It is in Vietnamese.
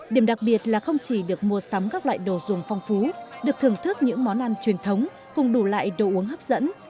điểm đặc biệt là không chỉ được mua sắm các loại đồ dùng phong phú được thưởng thức những món ăn truyền thống cùng đủ lại đồ uống hấp dẫn